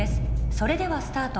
それではスタート